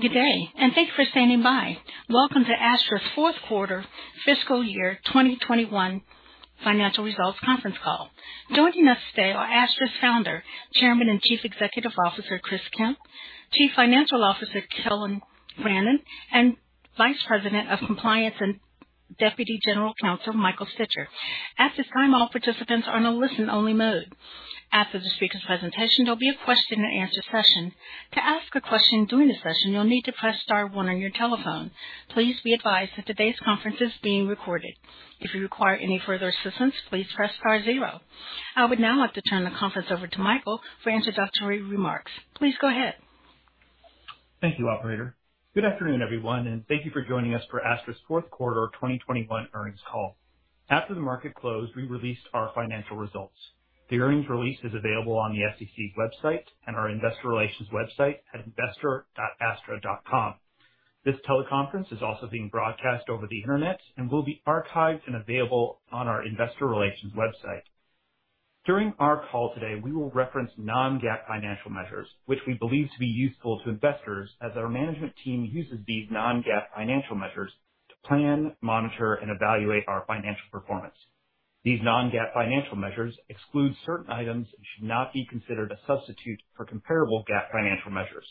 Good day, and thank you for standing by. Welcome to Astra's fourth quarter fiscal year 2021 financial results conference call. Joining us today are Astra's Founder, Chairman, and Chief Executive Officer, Chris Kemp; Chief Financial Officer, Kelyn Brannon; and Vice President of Compliance and Deputy General Counsel, Michael Stitcher. At this time, all participants are on a listen-only mode. After the speaker's presentation, there'll be a question-and-answer session. To ask a question during the session, you'll need to press star one on your telephone. Please be advised that today's conference is being recorded. If you require any further assistance, please press star zero. I would, now, like to turn the conference over to Michael for introductory remarks. Please go ahead. Thank you, operator. Good afternoon, everyone, and thank you for joining us for Astra's fourth quarter 2021 earnings call. After the market closed, we released our financial results. The earnings release is available on the SEC website and our Investor Relations website at investor.astra.com. This teleconference is also being broadcast over the internet, and will be archived and available on our Investor Relations website. During our call today, we will reference non-GAAP financial measures, which we believe to be useful to investors as our management team uses these non-GAAP financial measures to plan, monitor, and evaluate our financial performance. These non-GAAP financial measures exclude certain items, and should not be considered a substitute for comparable GAAP financial measures.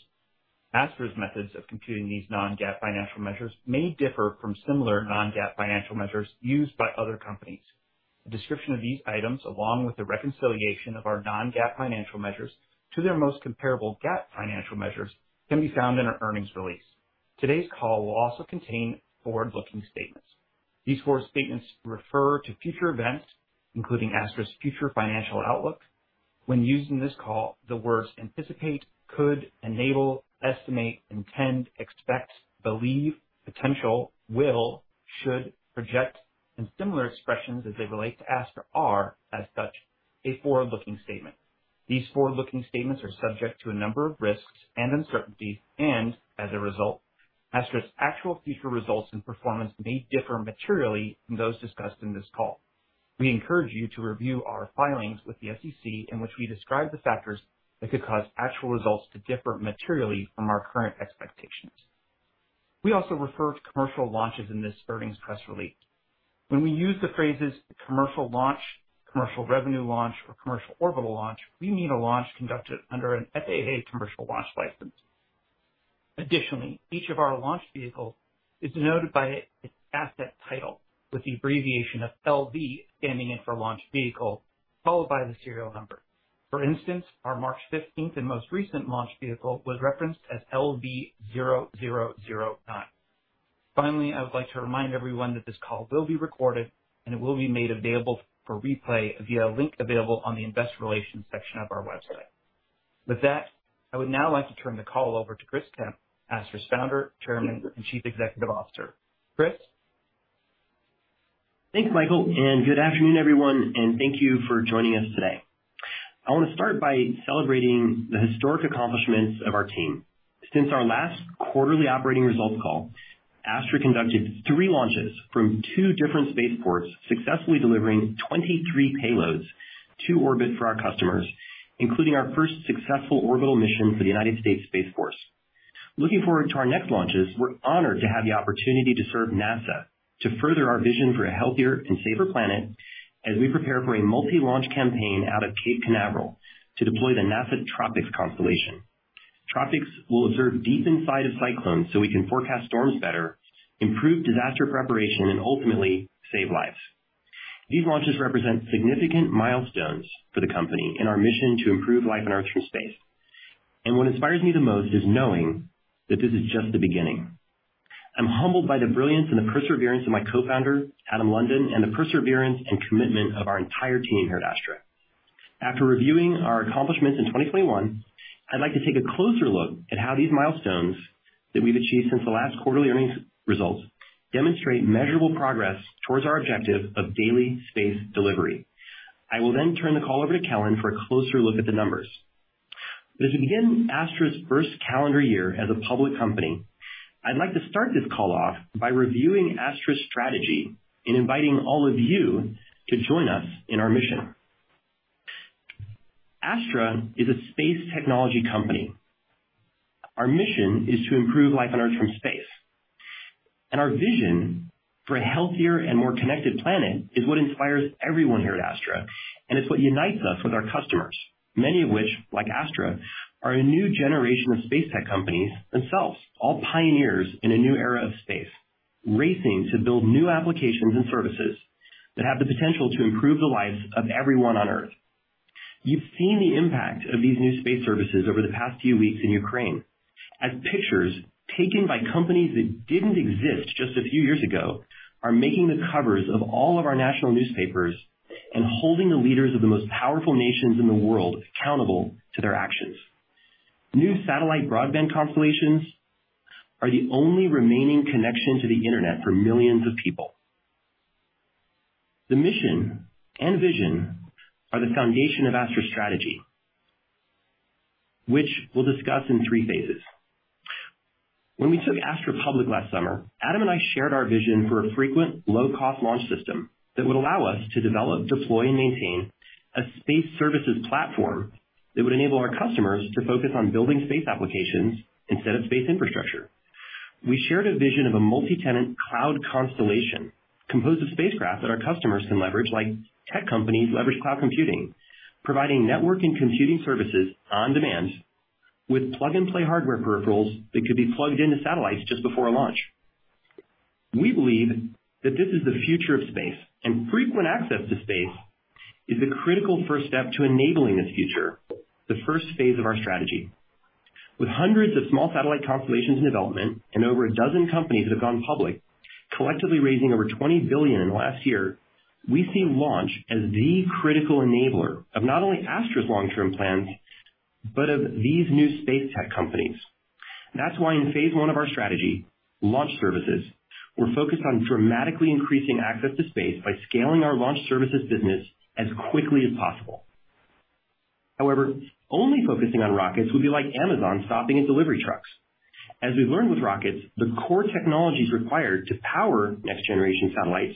Astra's methods of computing these non-GAAP financial measures may differ from similar non-GAAP financial measures used by other companies. A description of these items, along with the reconciliation of our non-GAAP financial measures to their most comparable GAAP financial measures, can be found in our earnings release. Today's call will also contain forward-looking statements. These forward-looking statements refer to future events, including Astra's future financial outlook. When used in this call, the words anticipate, could, enable, estimate, intend, expect, believe, potential, will, should, project, and similar expressions as they relate to Astra are, as such, a forward-looking statement. These forward-looking statements are subject to a number of risks and uncertainties, and, as a result, Astra's actual future results and performance may differ materially from those discussed in this call. We encourage you to review our filings with the SEC, in which we describe the factors that could cause actual results to differ materially from our current expectations. We also refer to commercial launches in this earnings press release. When we use the phrases commercial launch, commercial revenue launch, or commercial orbital launch, we mean a launch conducted under an FAA commercial launch license. Additionally, each of our launch vehicles is denoted by its asset title with the abbreviation of LV standing in for launch vehicle, followed by the serial number. For instance, our March 15th and most recent launch vehicle was referenced as LV0009. Finally, I would like to remind everyone that this call will be recorded, and it will be made available for replay via a link available on the Investor Relations section of our website. With that, I would, now, like to turn the call over to Chris Kemp, Astra's Founder, Chairman, and Chief Executive Officer. Chris. Thanks, Michael, and good afternoon, everyone, and thank you for joining us today. I wanna start by celebrating the historic accomplishments of our team. Since our last quarterly operating results call, Astra conducted three launches from two different spaceports, successfully delivering 23 payloads to orbit for our customers, including our first successful orbital mission for the United States Space Force. Looking forward to our next launches, we're honored to have the opportunity to serve NASA to further our vision for a healthier and safer planet as we prepare for a multi-launch campaign out of Cape Canaveral to deploy the NASA TROPICS constellation. TROPICS will observe deep inside a cyclone so we can forecast storms better, improve disaster preparation, and ultimately save lives. These launches represent significant milestones for the company in our mission to improve life on earth through space. What inspires me the most is knowing that this is just the beginning. I'm humbled by the brilliance and the perseverance of my co-founder, Adam London, and the perseverance and commitment of our entire team here at Astra. After reviewing our accomplishments in 2021, I'd like to take a closer look at how these milestones that we've achieved since the last quarterly earnings results demonstrate measurable progress towards our objective of daily space delivery. I will, then, turn the call over to Kelyn for a closer look at the numbers. As we begin Astra's first calendar year as a public company, I'd like to start this call off by reviewing Astra's strategy and inviting all of you to join us in our mission. Astra is a space technology company. Our mission is to improve life on earth from space. Our vision for a healthier and more connected planet is what inspires everyone here at Astra. It's what unites us with our customers, many of which, like Astra, are a new generation of space tech companies themselves, all pioneers in a new era of space, racing to build new applications and services that have the potential to improve the lives of everyone on earth. You've seen the impact of these new space services over the past few weeks in Ukraine, as pictures taken by companies that didn't exist just a few years ago are making the covers of all of our national newspapers, and holding the leaders of the most powerful nations in the world accountable to their actions. New satellite broadband constellations are the only remaining connection to the internet for millions of people. The mission and vision are the foundation of Astra's strategy, which we'll discuss in three phases. When we took Astra public last summer, Adam and I shared our vision for a frequent low-cost launch system that would allow us to develop, deploy, and maintain a space services platform that would enable our customers to focus on building space applications instead of space infrastructure. We shared a vision of a multi-tenant cloud constellation composed of spacecraft that our customers can leverage, like tech companies leverage cloud computing, providing network and computing services on demand with plug-and-play hardware peripherals that could be plugged into satellites just before a launch. We believe that this is the future of space, and frequent access to space is the critical first step to enabling this future, the first phase of our strategy. With hundreds of small satellite constellations in development, and over a dozen companies that have gone public, collectively raising over $20 billion in the last year, we see launch as the critical enabler of, not only Astra's long-term plans, but of these new space tech companies. That's why in Phase 1 of our strategy, launch services, we're focused on dramatically increasing access to space by scaling our launch services business as quickly as possible. However, only focusing on rockets would be like Amazon stopping at delivery trucks. As we've learned with rockets, the core technologies required to power next-generation satellites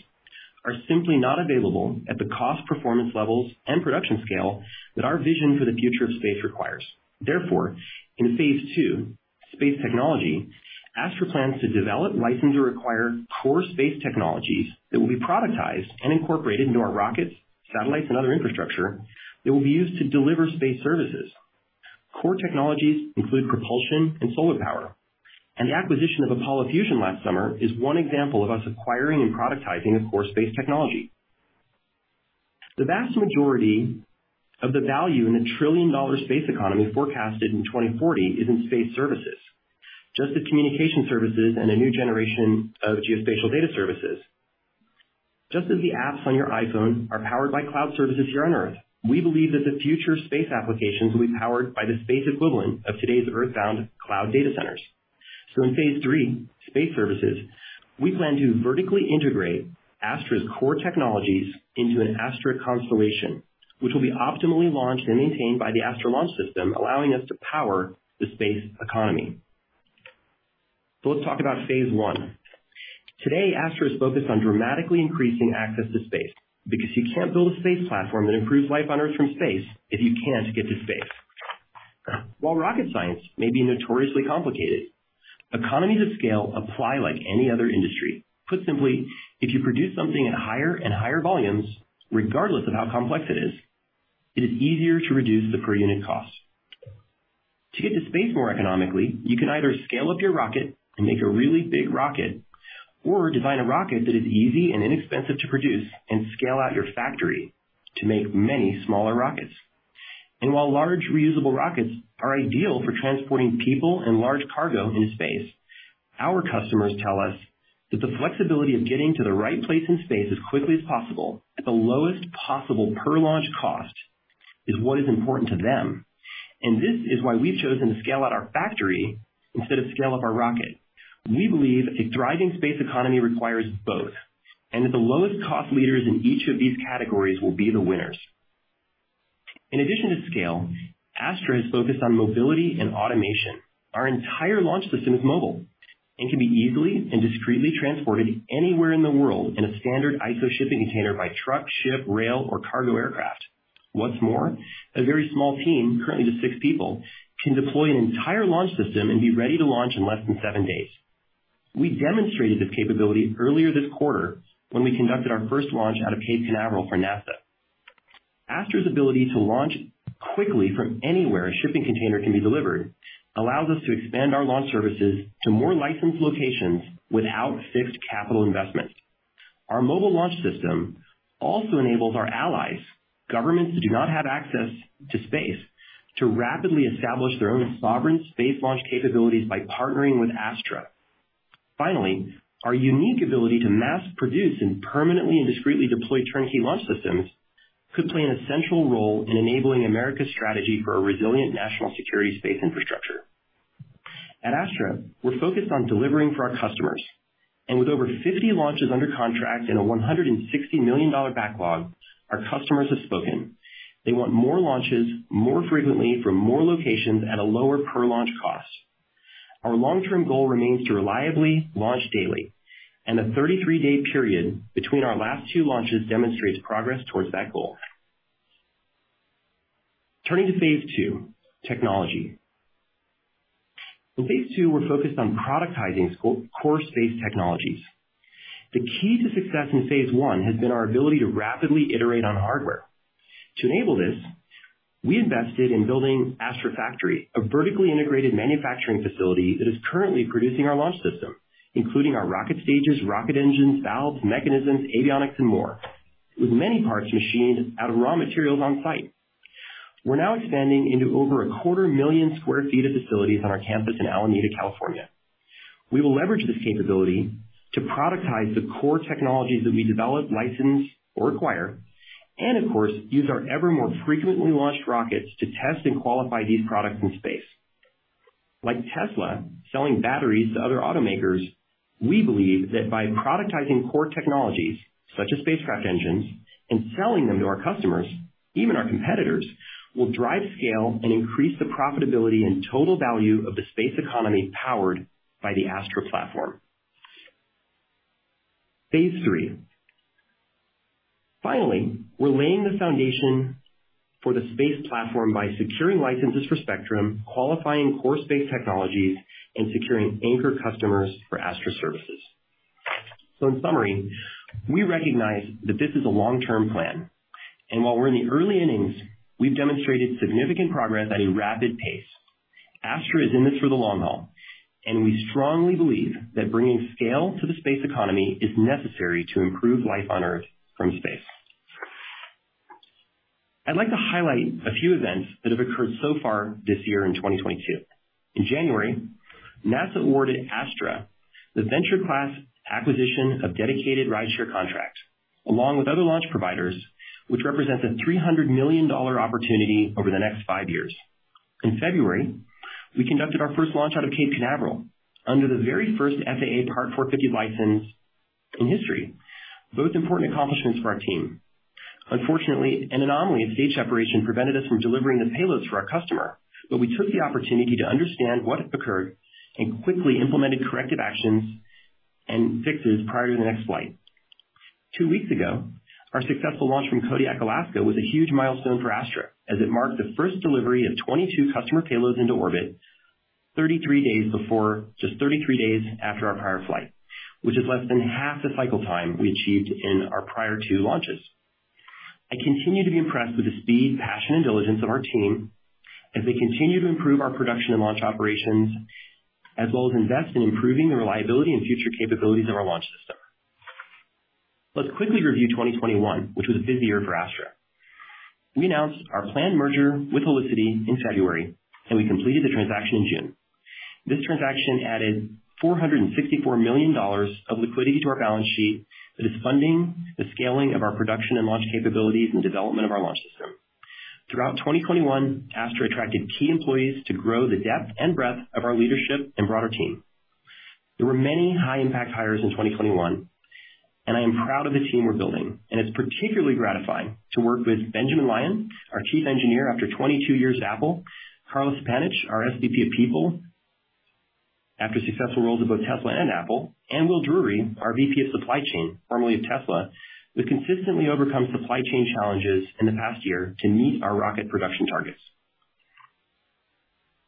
are simply not available at the cost performance levels and production scale that our vision for the future of space requires. Therefore, in Phase 2, space technology, Astra plans to develop license or acquire core space technologies that will be productized and incorporated into our rockets, satellites and other infrastructure that will be used to deliver space services. Core technologies include propulsion and solar power, and the acquisition of Apollo Fusion last summer is one example of us acquiring and productizing a core space technology. The vast majority of the value in the trillion-dollar space economy forecasted in 2040 is in space services, just as communication services, and a new generation of geospatial data services. Just as the apps on your iPhone are powered by cloud services here on earth, we believe that the future space applications will be powered by the space equivalent of today's earthbound cloud data centers. In Phase 3, space services, we plan to vertically integrate Astra's core technologies into an Astra constellation, which will be optimally launched and maintained by the Astra launch system, allowing us to power the space economy. Let's talk about Phase 1. Today, Astra is focused on dramatically increasing access to space because you can't build a space platform that improves life on earth from space if you can't get to space. While rocket science may be notoriously complicated, economies of scale apply like any other industry. Put simply, if you produce something at higher and higher volumes, regardless of how complex it is, it is easier to reduce the per unit cost. To get to space more economically, you can either scale up your rocket and make a really big rocket, or design a rocket that is easy and inexpensive to produce and scale out your factory to make many smaller rockets. While large reusable rockets are ideal for transporting people and large cargo in space, our customers tell us that the flexibility of getting to the right place in space as quickly as possible at the lowest possible per launch cost is what is important to them. This is why we've chosen to scale out our factory instead of scale up our rocket. We believe a thriving space economy requires both, and that the lowest cost leaders in each of these categories will be the winners. In addition to scale, Astra is focused on mobility and automation. Our entire launch system is mobile and can be easily and discreetly transported anywhere in the world in a standard ISO shipping container by truck, ship, rail or cargo aircraft. What's more, a very small team, currently just six people, can deploy an entire launch system, and be ready to launch in less than seven days. We demonstrated this capability earlier this quarter when we conducted our first launch out of Cape Canaveral for NASA. Astra's ability to launch quickly from anywhere a shipping container can be delivered allows us to expand our launch services to more licensed locations without fixed capital investment. Our mobile launch system also enables our allies, governments that do not have access to space, to rapidly establish their own sovereign space launch capabilities by partnering with Astra. Finally, our unique ability to mass produce, and permanently and discreetly deploy turnkey launch systems could play an essential role in enabling America's strategy for a resilient national security space infrastructure. At Astra, we're focused on delivering for our customers. With over 50 launches under contract and a $160 million backlog, our customers have spoken. They want more launches more frequently from more locations at a lower per launch cost. Our long-term goal remains to reliably launch daily. The 33-day period between our last two launches demonstrates progress towards that goal. Turning to Phase 2, technology. In Phase 2, we're focused on productizing core space technologies. The key to success in Phase 1 has been our ability to rapidly iterate on hardware. To enable this, we invested in building Astra Factory, a vertically integrated manufacturing facility that is currently producing our launch system, including our rocket stages, rocket engines, valves, mechanisms, avionics, and more, with many parts machined out of raw materials on site. We're now expanding into over 250,000 sq ft of facilities on our campus in Alameda, California. We will leverage this capability to productize the core technologies that we develop, license or acquire. Of course, use our ever more frequently launched rockets to test and qualify these products in space. Like Tesla selling batteries to other automakers, we believe that by productizing core technologies, such as spacecraft engines, and selling them to our customers, even our competitors, will drive scale and increase the profitability and total value of the space economy powered by the Astra platform. Phase 3. Finally, we're laying the foundation for the space platform by securing licenses for spectrum, qualifying core space technologies, and securing anchor customers for Astra services. In summary, we recognize that this is a long-term plan, and while we're in the early innings, we've demonstrated significant progress at a rapid pace. Astra is in this for the long haul, and we strongly believe that bringing scale to the space economy is necessary to improve life on earth from space. I'd like to highlight a few events that have occurred so far this year, in 2022. In January, NASA awarded Astra the Venture-Class Acquisition of Dedicated and Rideshare contract, along with other launch providers, which represents a $300 million opportunity over the next five years. In February, we conducted our first launch out of Cape Canaveral under the very first FAA Part 450 license in history. Both important accomplishments for our team. Unfortunately, an anomaly of stage separation prevented us from delivering the payloads for our customer. We took the opportunity to understand what occurred, and quickly implemented corrective actions and fixes prior to the next flight. Two weeks ago, our successful launch from Kodiak, Alaska, was a huge milestone for Astra as it marked the first delivery of 22 customer payloads into orbit 33 days before. Just 33 days after our prior flight, which is less than 1/2 the cycle time we achieved in our prior two launches. I continue to be impressed with the speed, passion and diligence of our team as they continue to improve our production and launch operations, as well as invest in improving the reliability and future capabilities of our launch system. Let's quickly review 2021, which was a busy year for Astra. We announced our planned merger with Holicity in February, and we completed the transaction in June. This transaction added $464 million of liquidity to our balance sheet that is funding the scaling of our production and launch capabilities and development of our launch system. Throughout 2021, Astra attracted key employees to grow the depth and breadth of our leadership and broader team. There were many high impact hires in 2021, and I am proud of the team we're building. It's particularly gratifying to work with Benjamin Lyon, our Chief Engineer, after 22 years at Apple; Carla Supanich, our SVP of People, after successful roles at both Tesla and Apple; and Will Drewery, our VP of Supply Chain, formerly of Tesla, who has consistently overcome supply chain challenges in the past year to meet our rocket production targets.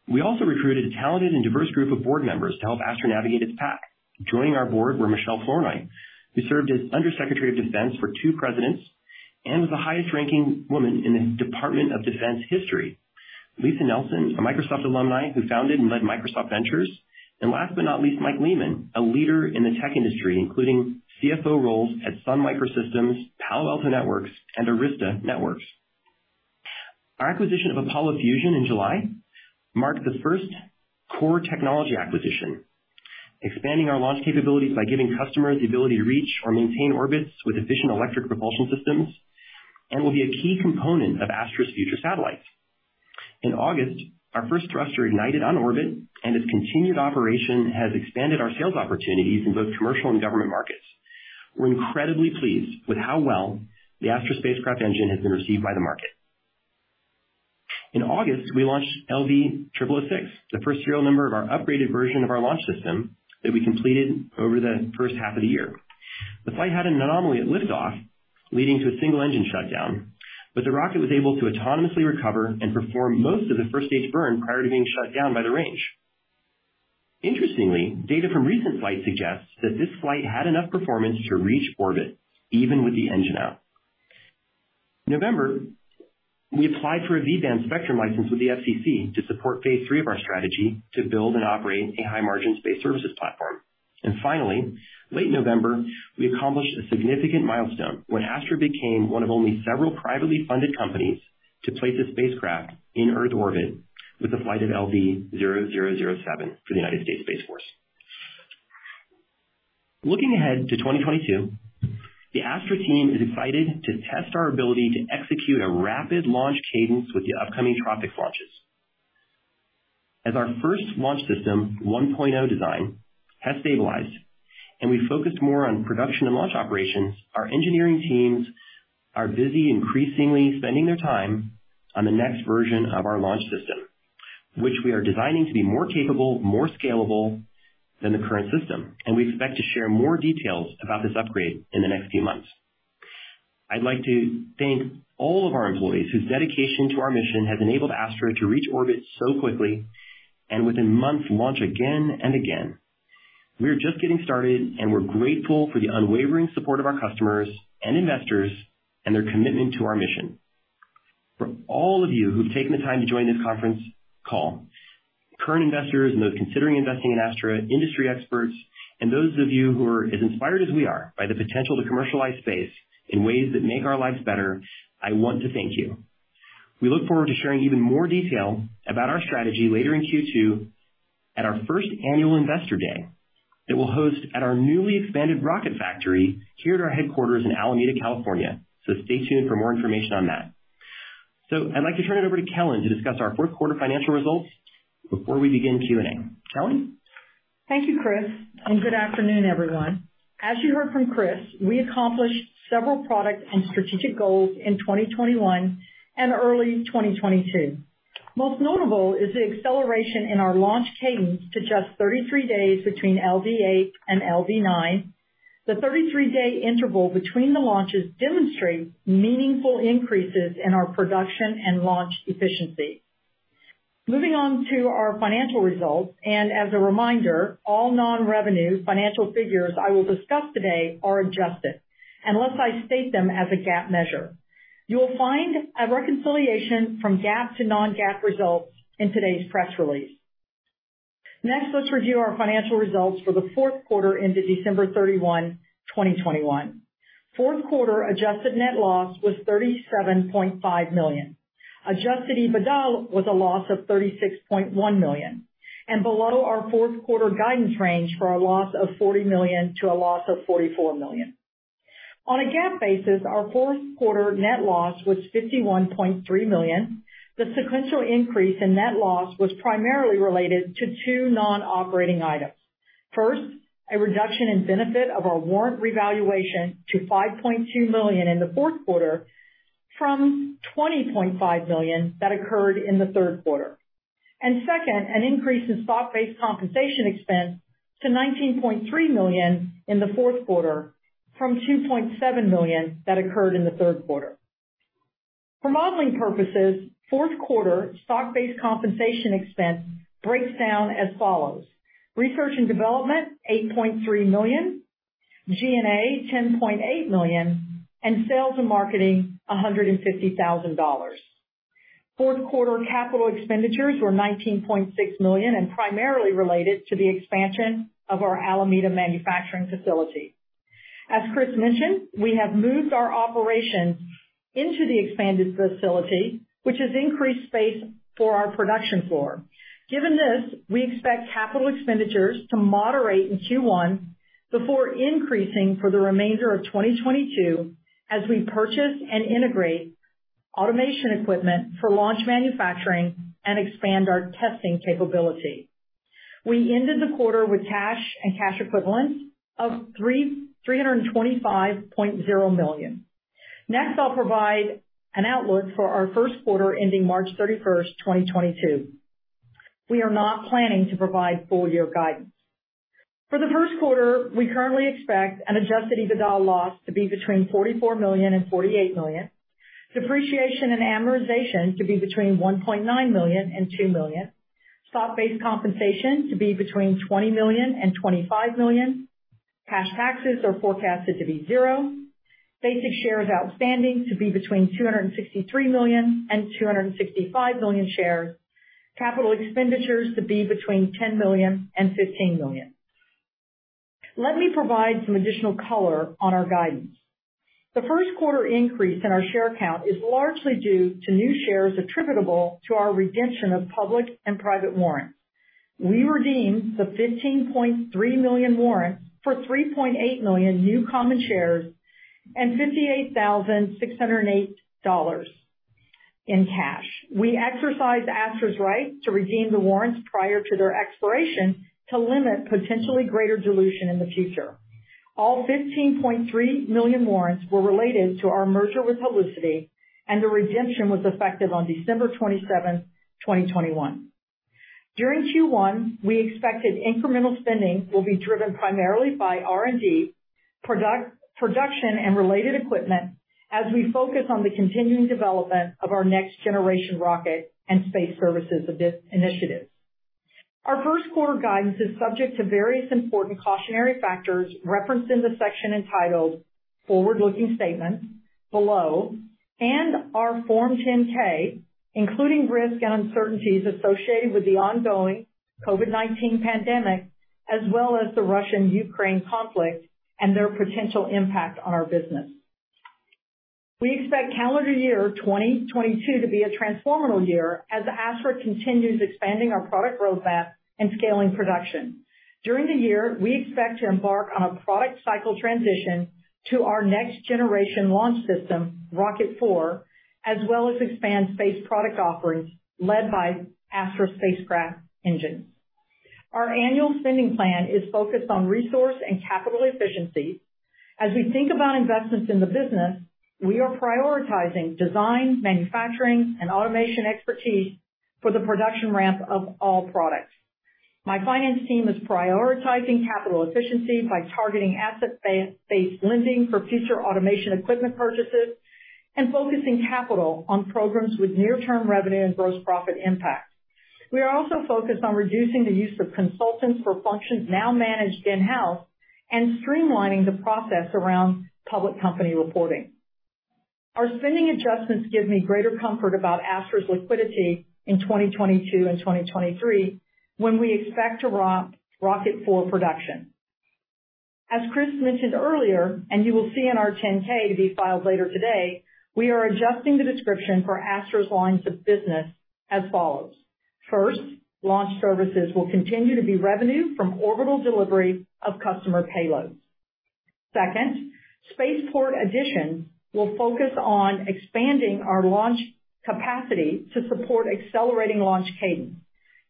We also recruited a talented and diverse group of board members to help Astra navigate its path. Joining our board were Michèle Flournoy, who served as Undersecretary of Defense for two presidents and was the highest-ranking woman in the Department of Defense history; Lisa Nelson, a Microsoft alumni who founded and led Microsoft Ventures; and last but not least, Mike Lehman, a leader in the tech industry, including CFO roles at Sun Microsystems, Palo Alto Networks, and Arista Networks. Our acquisition of Apollo Fusion in July marked the first core technology acquisition, expanding our launch capabilities by giving customers the ability to reach or maintain orbits with efficient electric propulsion systems, and will be a key component of Astra's future satellites. In August, our first thruster ignited on orbit and its continued operation has expanded our sales opportunities in both commercial and government markets. We're incredibly pleased with how well the Astra Spacecraft Engine has been received by the market. In August, we launched LV0006, the first serial number of our upgraded version of our launch system that we completed over the first half of the year. The flight had an anomaly at liftoff, leading to a single engine shutdown, but the rocket was able to autonomously recover and perform most of the first stage burn prior to being shut down by the range. Interestingly, data from recent flights suggests that this flight had enough performance to reach orbit even with the engine out. In November, we applied for a V-band spectrum license with the FCC to support Phase 3 of our strategy to build and operate a high-margin space services platform. Finally, late November, we accomplished a significant milestone when Astra became one of only several privately funded companies to place a spacecraft in earth orbit with the flight of LV0007 for the United States Space Force. Looking ahead to 2022, the Astra team is excited to test our ability to execute a rapid launch cadence with the upcoming TROPICS launches. As our first launch system, 1.0 design has stabilized, and we focused more on production and launch operations. Our engineering teams are busy increasingly spending their time on the next version of our launch system, which we are designing to be more capable, more scalable than the current system. We expect to share more details about this upgrade in the next few months. I'd like to thank all of our employees whose dedication to our mission has enabled Astra to reach orbit so quickly and within months launch again and again. We are just getting started, and we're grateful for the unwavering support of our customers and investors and their commitment to our mission. For all of you who've taken the time to join this conference call, current investors and those considering investing in Astra, industry experts, and those of you who are as inspired as we are by the potential to commercialize space in ways that make our lives better, I want to thank you. We look forward to sharing even more detail about our strategy later in Q2 at our first Annual Investor Day that we'll host at our newly expanded rocket factory here at our headquarters in Alameda, California. Stay tuned for more information on that. I'd like to turn it over to Kelyn to discuss our fourth quarter financial results before we begin Q&A. Kelyn? Thank you, Chris, and good afternoon, everyone. As you heard from Chris, we accomplished several product and strategic goals in 2021 and early 2022. Most notable is the acceleration in our launch cadence to just 33 days between LV0008 and LV0009. The 33-day interval between the launches demonstrate meaningful increases in our production and launch efficiency. Moving on to our financial results. As a reminder, all non-revenue financial figures I will discuss today are adjusted unless I state them as a GAAP measure. You will find a reconciliation from GAAP to non-GAAP results in today's press release. Next, let's review our financial results for the fourth quarter ended December 31, 2021. Fourth quarter adjusted net loss was $37.5 million. Adjusted EBITDA was a loss of $36.1 million, and below our fourth quarter guidance range for a loss of $40 million-$44 million. On a GAAP basis, our fourth quarter net loss was $51.3 million. The sequential increase in net loss was primarily related to two non-operating items. First, a reduction in benefit of our warrant revaluation to $5.2 million in the fourth quarter from $20.5 million that occurred in the third quarter. Second, an increase in stock-based compensation expense to $19.3 million in the fourth quarter from $2.7 million that occurred in the third quarter. For modeling purposes, fourth quarter stock-based compensation expense breaks down as follows: research and development, $8.3 million; G&A, $10.8 million; and sales and marketing, $150,000. Fourth quarter capital expenditures were $19.6 million, and primarily related to the expansion of our Alameda manufacturing facility. As Chris mentioned, we have moved our operations into the expanded facility, which has increased space for our production floor. Given this, we expect capital expenditures to moderate in Q1 before increasing for the remainder of 2022 as we purchase and integrate automation equipment for launch manufacturing and expand our testing capability. We ended the quarter with cash and cash equivalents of $325.0 million. Next, I'll provide an outlook for our first quarter ending March 31, 2022. We are not planning to provide full year guidance. For the first quarter, we currently expect an adjusted EBITDA loss to be between $44 million and $48 million. Depreciation and amortization to be between $1.9 million and $2 million. Stock-based compensation to be between $20 million and $25 million. Cash taxes are forecasted to be zero. Basic shares outstanding to be between 263 million and 265 million shares. Capital expenditures to be between $10 million and $15 million. Let me provide some additional color on our guidance. The first quarter increase in our share count is largely due to new shares attributable to our redemption of public and private warrants. We redeemed the 15.3 million warrants for 3.8 million new common shares and $58,608 in cash. We exercised Astra's right to redeem the warrants prior to their expiration to limit potentially greater dilution in the future. All 15.3 million warrants were related to our merger with Holicity, and the redemption was effective on December 27, 2021. During Q1, we expected incremental spending will be driven primarily by R&D, production and related equipment as we focus on the continuing development of our next generation rocket and space services of this initiative. Our first quarter guidance is subject to various important cautionary factors referenced in the section entitled Forward-Looking Statements below and our Form 10-K, including risks and uncertainties associated with the ongoing COVID-19 pandemic as well as the Russia-Ukraine conflict and their potential impact on our business. We expect calendar year 2022 to be a transformational year as Astra continues expanding our product roadmap and scaling production. During the year, we expect to embark on a product cycle transition to our next generation launch system, Rocket 4, as well as expand space product offerings led by Astra Spacecraft Engines. Our annual spending plan is focused on resource and capital efficiency. As we think about investments in the business, we are prioritizing design, manufacturing, and automation expertise for the production ramp of all products. My finance team is prioritizing capital efficiency by targeting asset-based lending for future automation equipment purchases and focusing capital on programs with near-term revenue and gross profit impact. We are also focused on reducing the use of consultants for functions now managed in-house, and streamlining the process around public company reporting. Our spending adjustments give me greater comfort about Astra's liquidity in 2022 and 2023 when we expect to rock Rocket 4 production. As Chris mentioned earlier, and you will see in our 10-K to be filed later today, we are adjusting the description for Astra's lines of business as follows. First, launch services will continue to be revenue from orbital delivery of customer payloads. Second, spaceport addition will focus on expanding our launch capacity to support accelerating launch cadence.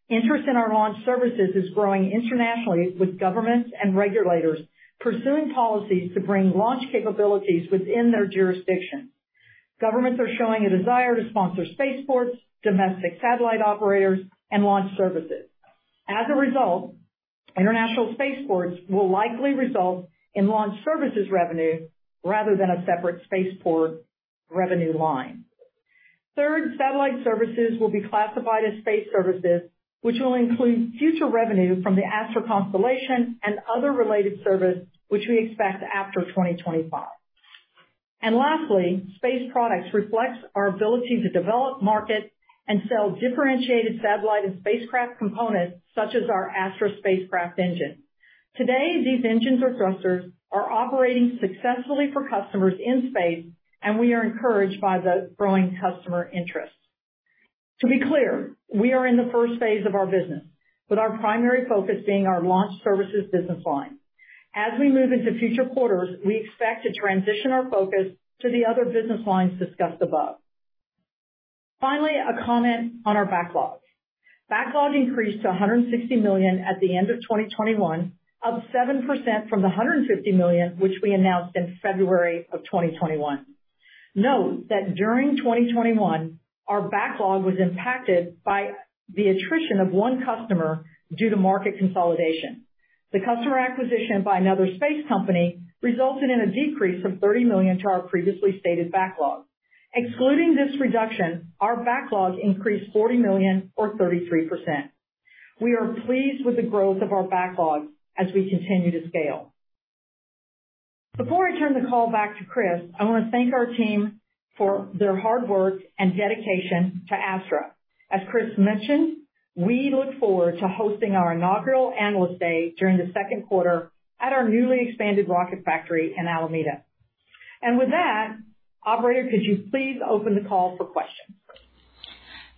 Interest in our launch services is growing internationally with governments and regulators pursuing policies to bring launch capabilities within their jurisdiction. Governments are showing a desire to sponsor spaceports, domestic satellite operators and launch services. As a result, international spaceports will likely result in launch services revenue rather than a separate spaceport revenue line. Third, satellite services will be classified as space services, which will include future revenue from the Astra constellation and other related service which we expect after 2025. Lastly, space products reflects our ability to develop market and sell differentiated satellite and spacecraft components such as our Astra Spacecraft Engine. Today, these engines or thrusters are operating successfully for customers in space, and we are encouraged by the growing customer interest. To be clear, we are in the first phase of our business, with our primary focus being our launch services business line. As we move into future quarters, we expect to transition our focus to the other business lines discussed above. Finally, a comment on our backlog. Backlog increased to $160 million at the end of 2021, up 7% from the $150 million which we announced in February 2021. Note that during 2021, our backlog was impacted by the attrition of one customer due to market consolidation. The customer acquisition by another space company resulted in a decrease of $30 million to our previously stated backlog. Excluding this reduction, our backlog increased $40 million, or 33%. We are pleased with the growth of our backlog as we continue to scale. Before I turn the call back to Chris, I wanna thank our team for their hard work and dedication to Astra. As Chris mentioned, we look forward to hosting our inaugural Analyst Day during the second quarter at our newly expanded rocket factory in Alameda. With that, operator, could you please open the call for questions?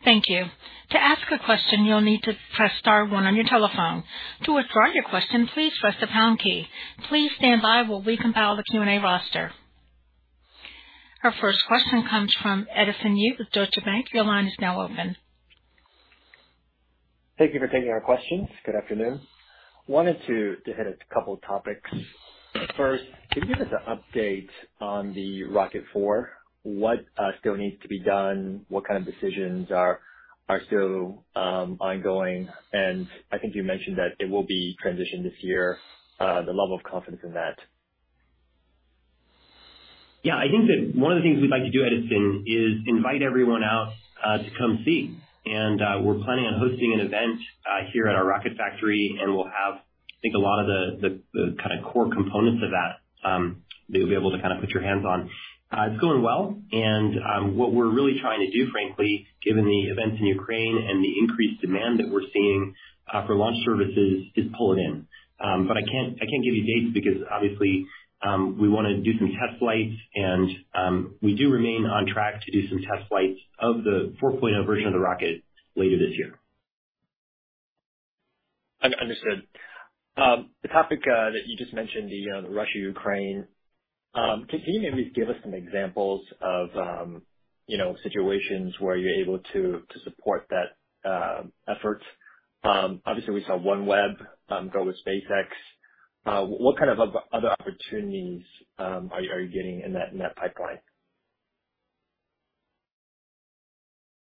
Thank you. To ask a question, you'll need to press star one on your telephone. To withdraw your question, please press the pound key. Please stand by while we compile the Q&A roster. Our first question comes from Edison Yu with Deutsche Bank. Your line is now open. Thank you for taking our questions. Good afternoon. I wanted to hit a couple of topics. First, can you give us an update on the Rocket 4? What still needs to be done? What kind of decisions are still ongoing? I think you mentioned that it will be transitioned this year, the level of confidence in that. Yeah. I think that one of the things we'd like to do, Edison, is invite everyone out to come see. We're planning on hosting an event here at our rocket factory, and we'll have, I think, a lot of the kinda core components of that that you'll be able to kinda put your hands on. It's going well, and what we're really trying to do, frankly, given the events in Ukraine and the increased demand that we're seeing for launch services, is pull it in. I can't give you dates because, obviously, we wanna do some test flights and we do remain on track to do some test flights of the 4.0 version of the rocket later this year. Understood. The topic that you just mentioned, the Russia-Ukraine, can you maybe give us some examples of, you know, situations where you're able to support that effort? Obviously, we saw OneWeb go with SpaceX. What kind of other opportunities are you getting in that pipeline?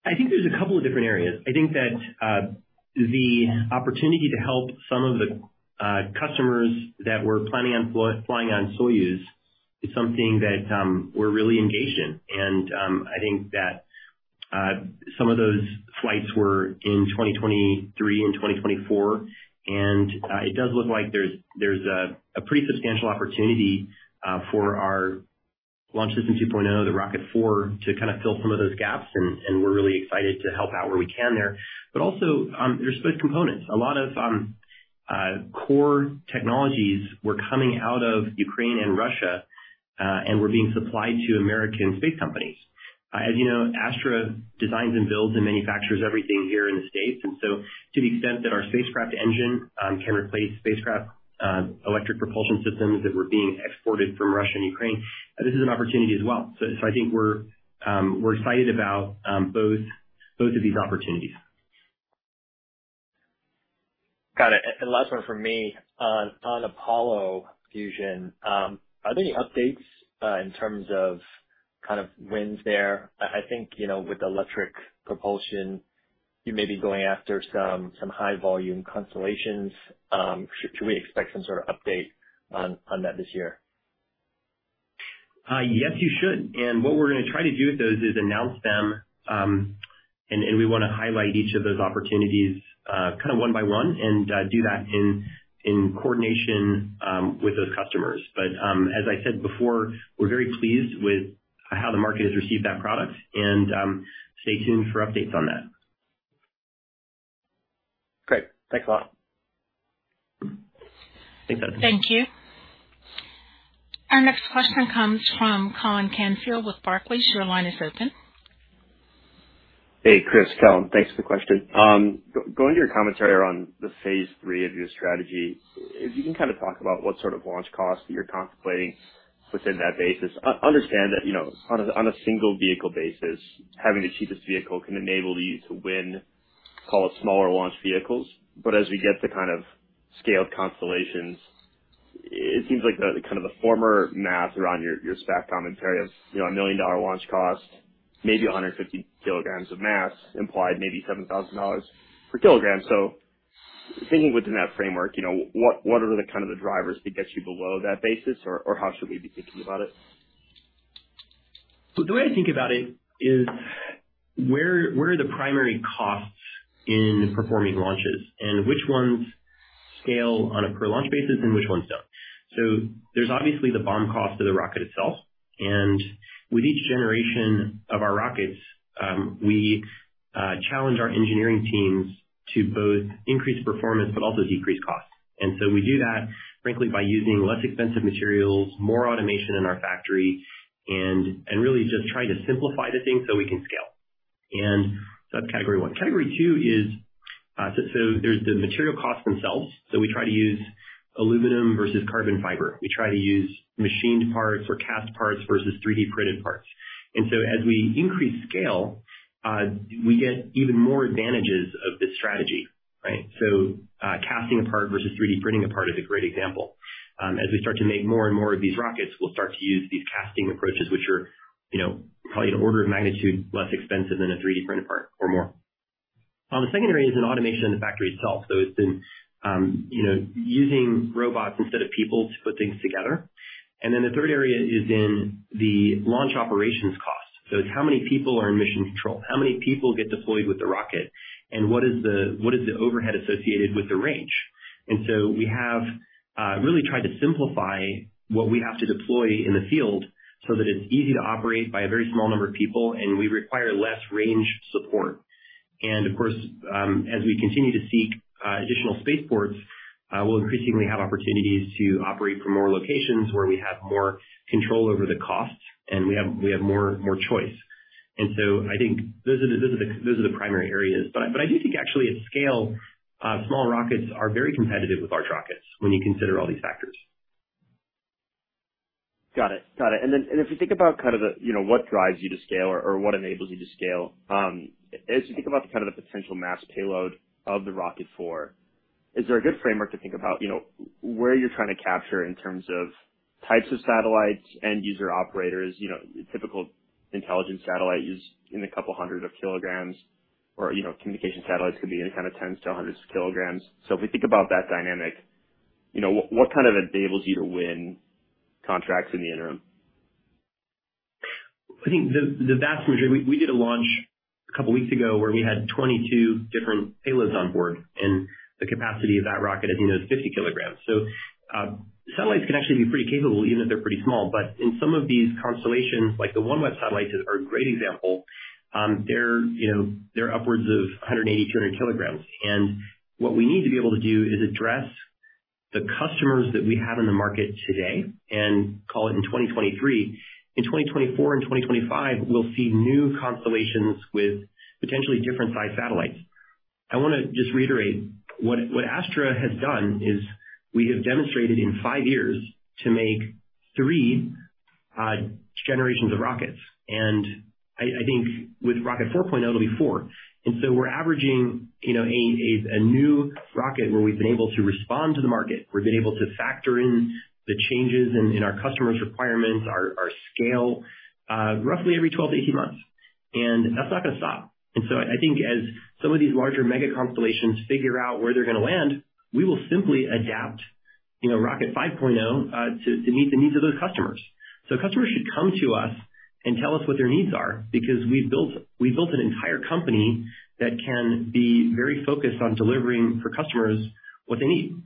I think there's a couple of different areas. I think that the opportunity to help some of the customers that were planning on flying on Soyuz is something that we're really engaged in. I think that some of those flights were in 2023 and 2024, and it does look like there's a pretty substantial opportunity for our launch system 2.0, the Rocket 4, to kinda fill some of those gaps, and we're really excited to help out where we can there. Also, there's supply components. A lot of core technologies were coming out of Ukraine and Russia and were being supplied to American space companies. As you know, Astra designs and builds and manufactures everything here in the States, and so, to the extent that our spacecraft engine can replace spacecraft electric propulsion systems that were being exported from Russia and Ukraine, this is an opportunity as well. I think we're excited about both of these opportunities. Got it. Last one from me. On Apollo Fusion, are there any updates in terms of kind of wins there? I think, you know, with electric propulsion, you may be going after some high volume constellations. Should we expect some sort of update on that this year? Yes, you should. What we're gonna try to do with those is announce them, and we wanna highlight each of those opportunities, kinda one by one and do that in coordination with those customers. As I said before, we're very pleased with how the market has received that product and stay tuned for updates on that. Great. Thanks a lot. Thanks, Edison. Thank you. Our next question comes from Colin Canfield with Barclays. Your line is open. Hey, Chris. Colin. Thanks for the question. Going to your commentary around the Phase 3 of your strategy, if you can kind of talk about what sort of launch costs you're contemplating within that basis. Understand that, you know, on a single vehicle basis, having the cheapest vehicle can enable you to win, call it, smaller launch vehicles. As we get to kind of scaled constellations, it seems like kind of the former math around your SPAC commentary of, you know, a $1 million launch cost, maybe 150 kg of mass implied maybe $7,000 per kg. Thinking within that framework, you know, what are the kind of drivers to get you below that basis, or how should we be thinking about it? The way I think about it is, where are the primary costs in performing launches and which ones scale on a per launch basis and which ones don't? There's,, obviously, the BOM cost of the rocket itself. With each generation of our rockets, we challenge our engineering teams to both increase performance but also decrease costs. We do that, frankly, by using less expensive materials, more automation in our factory, and really just trying to simplify the thing so we can scale. That's category one. Category two is, there's the material costs themselves. We try to use aluminum versus carbon fiber. We try to use machined parts or cast parts versus 3D printed parts. As we increase scale, we get even more advantages of this strategy, right? Casting a part versus 3D printing a part is a great example. As we start to make more and more of these rockets, we'll start to use these casting approaches, which are, you know, probably an order of magnitude less expensive than a 3D printed part or more. The second area is in automation in the factory itself. It's in, you know, using robots instead of people to put things together. The third area is in the launch operations cost. It's how many people are in mission control, how many people get deployed with the rocket, and what is the overhead associated with the range? We have really tried to simplify what we have to deploy in the field so that it's easy to operate by a very small number of people, and we require less range support. Of course, as we continue to seek additional spaceports, we'll increasingly have opportunities to operate from more locations where we have more control over the costs, and we have more choice. I think those are the primary areas. I do think actually at scale, small rockets are very competitive with large rockets when you consider all these factors. Got it. If you think about kind of the, you know, what drives you to scale or what enables you to scale, as you think about kind of the potential mass payload of the Rocket 4, is there a good framework to think about, you know, where you're trying to capture in terms of types of satellites and user operators? You know, typical intelligence satellite is in a couple hundred of kilograms or, you know, communication satellites could be any kind of tens to hundreds of kilograms. So if we think about that dynamic, you know, what kind of enables you to win contracts in the interim? I think the vast majority--we did a launch a couple weeks ago where we had 22 different payloads on board, and the capacity of that rocket, as you know, is 50 kg. Satellites can actually be pretty capable even though they're pretty small. In some of these constellations, like the OneWeb satellites, are a great example. They're, you know, upwards of 180-200 kg. What we need to be able to do is address the customers that we have in the market today, and call it in 2023. In 2024 and 2025, we'll see new constellations with potentially different sized satellites. I wanna just reiterate, what Astra has done is we have demonstrated in five years to make three generations of rockets. I think with Rocket 4.0, it'll be four. We're averaging, you know, a new rocket where we've been able to respond to the market. We've been able to factor in the changes in our customers' requirements, our scale, roughly every 12-18 months. That's not gonna stop. I think as some of these larger mega constellations figure out where they're gonna land, we will simply adapt, you know, Rocket 5.0 to meet the needs of those customers. Customers should come to us and tell us what their needs are because we've built an entire company that can be very focused on delivering for customers what they need.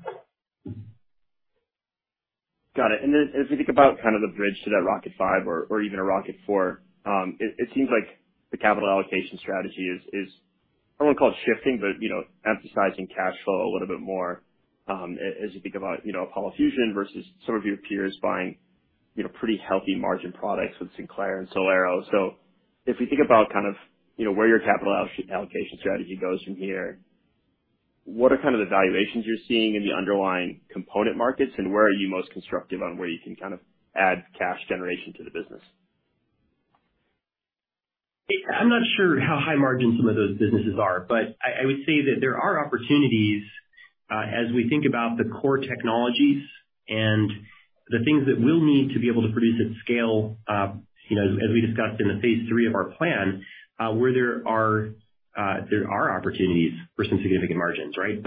Got it. Then as we think about kind of the bridge to that Rocket 5 or even a Rocket 4, it seems like the capital allocation strategy is I wouldn't call it shifting, but, you know, emphasizing cash flow a little bit more, as you think about, you know, Apollo Fusion versus some of your peers buying, you know, pretty healthy margin products with Sinclair and SolAero. If we think about kind of, you know, where your capital allocation strategy goes from here, what are kind of the valuations you're seeing in the underlying component markets, and where are you most constructive on where you can kind of add cash generation to the business? I'm not sure how high margin some of those businesses are, but I would say that there are opportunities, as we think about the core technologies and the things that we'll need to be able to produce at scale, you know, as we discussed in the Phase 3 of our plan, where there are opportunities for some significant margins, right?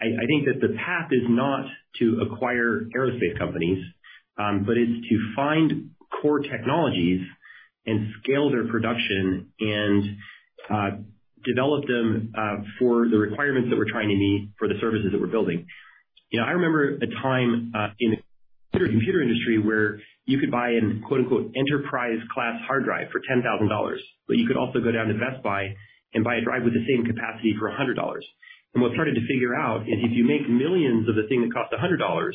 I think that the path is not to acquire aerospace companies, but it's to find core technologies and scale their production and develop them, for the requirements that we're trying to meet for the services that we're building. You know, I remember a time in the computer industry where you could buy a "enterprise class hard drive" for $10,000, but you could also go down to Best Buy and buy a drive with the same capacity for $100. What's harder to figure out is if you make millions of the thing that cost $100.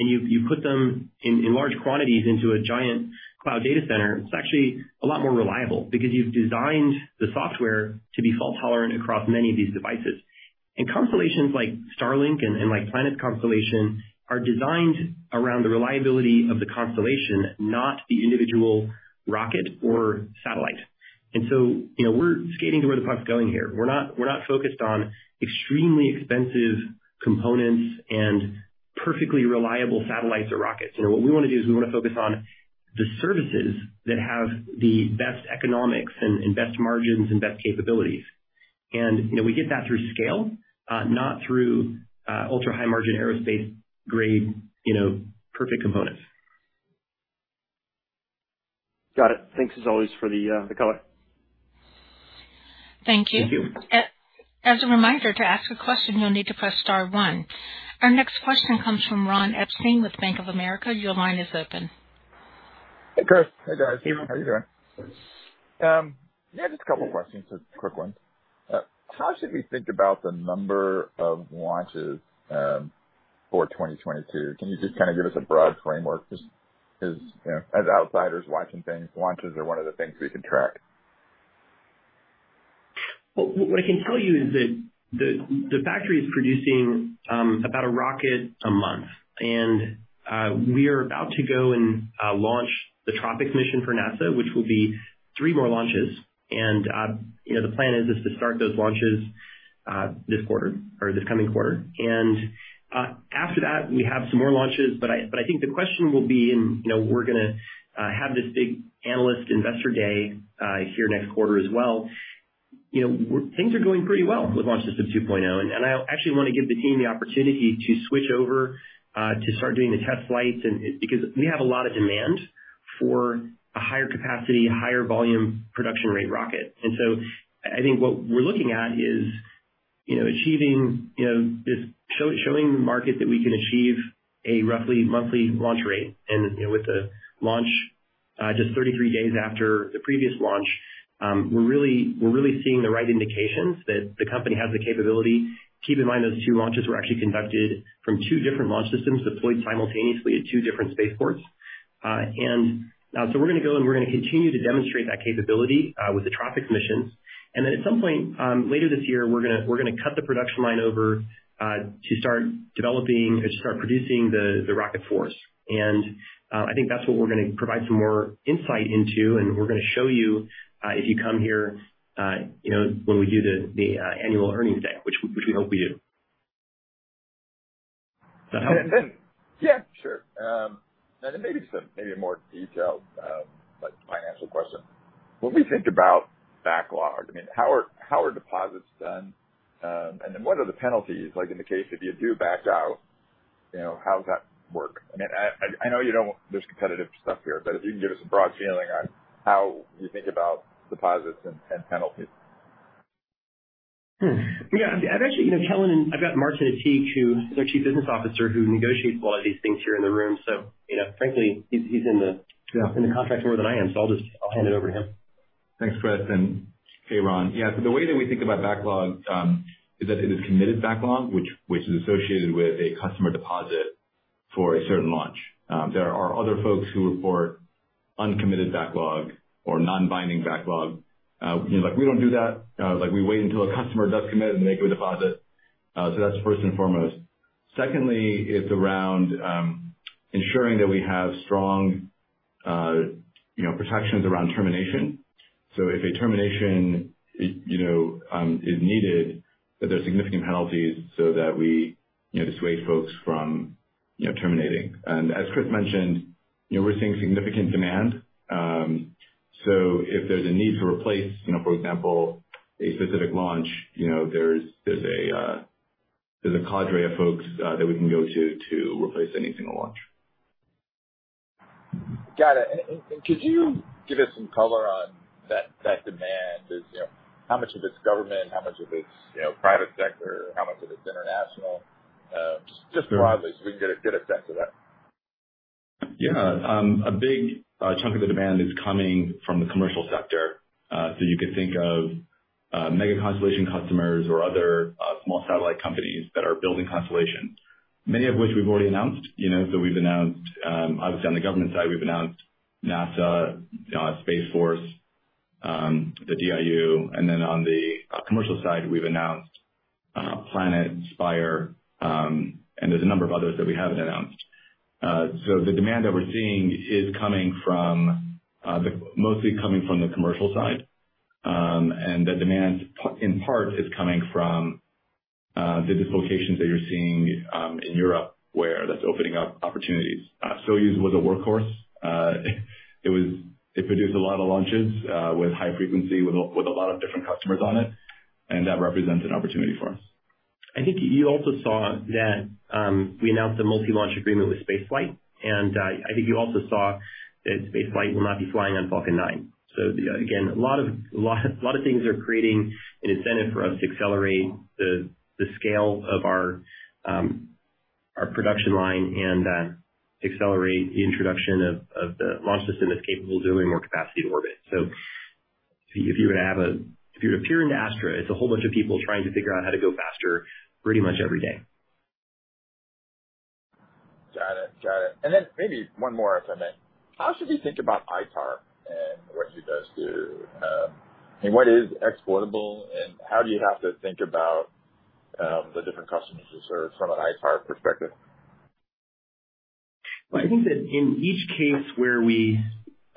You put them in large quantities into a giant cloud data center. It's actually a lot more reliable because you've designed the software to be fault-tolerant across many of these devices. Constellations like Starlink and like Planet constellation are designed around the reliability of the constellation, not the individual rocket or satellite. You know, we're skating to where the puck's going here. We're not focused on extremely expensive components and perfectly reliable satellites or rockets. You know, what we wanna do is we wanna focus on the services that have the best economics and best margins and best capabilities. You know, we get that through scale, not through ultra-high margin aerospace grade, you know, perfect components. Got it. Thanks as always for the color. Thank you. Thank you. As a reminder, to ask a question, you'll need to press star one. Our next question comes from Ron Epstein with Bank of America. Your line is open. Hey, Chris. Hey, guys. Hey, Ron. How are you doing? Yeah, just a couple questions. Just quick ones. How should we think about the number of launches for 2022? Can you just kinda give us a broad framework? Just 'cause, you know, as outsiders watching things, launches are one of the things we can track. Well, what I can tell you is that the factory is producing about a rocket a month. We are about to go and launch the TROPICS mission for NASA, which will be three more launches. You know, the plan is to start those launches this quarter or this coming quarter. After that, we have some more launches, but I think the question will be in, you know--We're gonna have this big Analyst Investor Day here next quarter as well. You know, things are going pretty well with Launch System 2.0. I actually want to give the team the opportunity to switch over to start doing the test flights because we have a lot of demand for a higher capacity, higher volume production rate rocket. I think what we're looking at is, you know, showing the market that we can achieve a roughly monthly launch rate. You know, with the launch just 33 days after the previous launch, we're really seeing the right indications that the company has the capability. Keep in mind those two launches were actually conducted from two different launch systems deployed simultaneously at two different spaceports. We're gonna go and we're gonna continue to demonstrate that capability with the TROPICS mission. At some point later this year, we're gonna cut the production line over to start developing or to start producing the Rocket 4. I think that's what we're gonna provide some more insight into, and we're gonna show, you know, when we do the annual Earnings Day, which we hope you do. Does that help? Yeah, sure. Maybe a more detailed, like, financial question. When we think about backlog, I mean, how are deposits done? What are the penalties, like, in the case if you do back out, you know, how does that work? I mean, I know you don't--There's competitive stuff here, but if you can give us a broad feeling on how you think about deposits and penalties. Yeah, I've actually, you know, I've got Martin Attiq, who's our Chief Business Officer, who negotiates a lot of these things, here in the room. You know, frankly, he's in the- Yeah.... in the contract more than I am, so I'll just hand it over to him. Thanks, Chris, and hey, Ron. Yeah, so the way that we think about backlog is that it is committed backlog, which is associated with a customer deposit for a certain launch. There are other folks who report uncommitted backlog or non-binding backlog. You know, like, we don't do that. Like, we wait until a customer does commit and they do a deposit. So that's first and foremost. Secondly, it's around ensuring that we have strong, you know, protections around termination. So if a termination is needed, that there are significant penalties so that we, you know, dissuade folks from, you know, terminating. As Chris mentioned, you know, we're seeing significant demand. If there's a need to replace, you know, for example, a specific launch, you know, there's a cadre of folks that we can go to to replace any single launch. Got it. Could you give us some color on that demand? You know, how much of it's government, how much of it's, you know, private sector, how much of it's international? Just broadly, so we can get a sense of that. Yeah. A big chunk of the demand is coming from the commercial sector. You can think of mega constellation customers or other small satellite companies that are building constellations, many of which we've already announced. You know, we've announced, obviously on the government side, we've announced NASA, Space Force, the DIU, and then on the commercial side, we've announced Planet, Spire, and there's a number of others that we haven't announced. The demand that we're seeing is mostly coming from the commercial side. The demand in part is coming from the dislocations that you're seeing in Europe, where that's opening up opportunities. Soyuz was a workhorse. It produced a lot of launches with high frequency with a lot of different customers on it, and that represents an opportunity for us. I think you also saw that we announced a multi-launch agreement with Spaceflight. I think you also saw that Spaceflight will not be flying on Falcon 9. Again, a lot of things are creating an incentive for us to accelerate the scale of our production line and to accelerate the introduction of the launch system that's capable of doing more capacity to orbit. If you were to peer into Astra, it's a whole bunch of people trying to figure out how to go faster pretty much every day. Got it. Maybe one more, if I may. How should we think about ITAR and what it does to, what is exportable, and how do you have to think about the different customers you serve from an ITAR perspective? Well, I think that in each case where we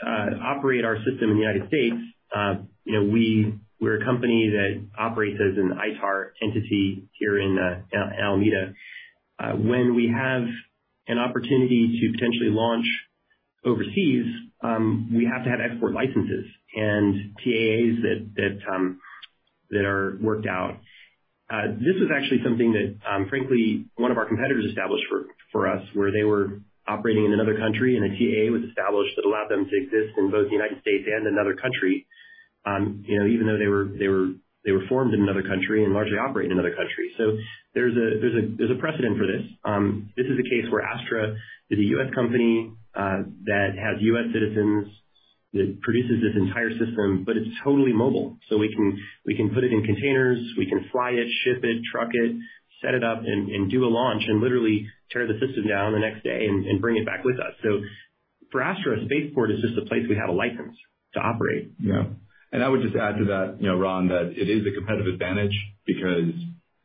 operate our system in the United States, you know, we're a company that operates as an ITAR entity here in Alameda. When we have an opportunity to potentially launch overseas, we have to have export licenses and TAAs that are worked out. This is actually something that, frankly, one of our competitors established for us, where they were operating in another country and a TAA was established that allowed them to exist in both the United States and another country, you know, even though they were formed in another country and largely operate in another country. There's a precedent for this. This is a case where Astra is a U.S. company that has U.S. citizens that produces this entire system, but it's totally mobile. We can put it in containers, we can fly it, ship it, truck it, set it up and do a launch and literally tear the system down the next day and bring it back with us. For Astra, spaceport is just a place we have a license to operate. Yeah. I would just add to that, you know, Ron, that it is a competitive advantage because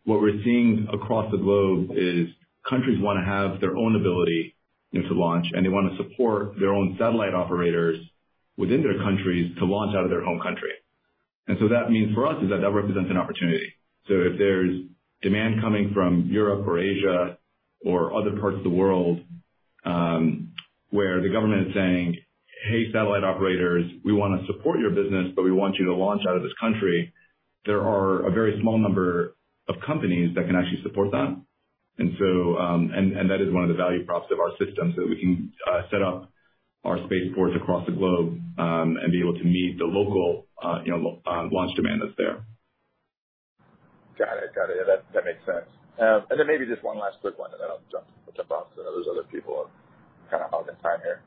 what we're seeing across the globe is countries wanna have their own ability, you know, to launch, and they wanna support their own satellite operators within their countries to launch out of their home country. That means for us is that that represents an opportunity. If there's demand coming from Europe or Asia or other parts of the world, where the government is saying, "Hey, satellite operators, we wanna support your business, but we want you to launch out of this country," there are a very small number of companies that can actually support that. That is one of the value props of our system, so that we can set up our spaceports across the globe, and be able to meet the local, you know, launch demand that's there. Got it. Yeah, that makes sense. Then maybe just one last quick one, then I'll jump off so that those other people are kinda have their time here.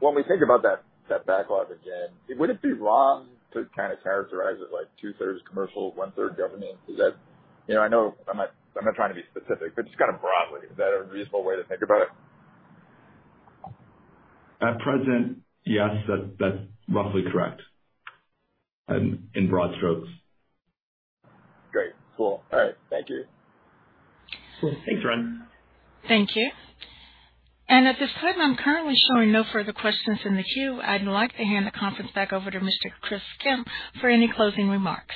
When we think about that backlog again, would it be wrong to kinda characterize it like 2/3 commercial, 1/3 government? Is that, you know, I know I'm not trying to be specific, but just kinda broadly, is that a reasonable way to think about it? At present, yes. That's roughly correct, in broad strokes. Great. Cool. All right. Thank you. Thanks, Ron. Thank you. At this time, I'm currently showing no further questions in the queue. I'd like to hand the conference back over to Mr. Chris Kemp for any closing remarks.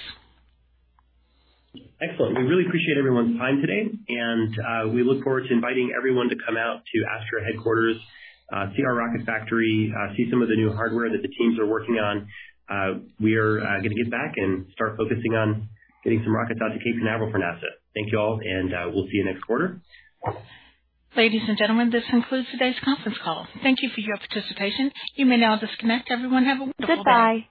Excellent. We really appreciate everyone's time today, and we look forward to inviting everyone to come out to Astra headquarters, see our rocket factory, see some of the new hardware that the teams are working on. We are gonna get back and start focusing on getting some rockets out to Cape Canaveral for NASA. Thank you all, and we'll see you next quarter. Ladies and gentlemen, this concludes today's conference call. Thank you for your participation. You may now disconnect. Everyone, have a wonderful day. Goodbye.